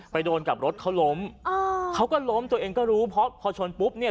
โดนกับรถเขาล้มอ่าเขาก็ล้มตัวเองก็รู้เพราะพอชนปุ๊บเนี่ย